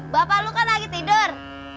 bapak lu kan lagi tidur